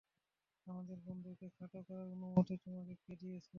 আমাদের বন্ধুকে খাটো করার অনুমতি তোমাকে কে দিয়েছে?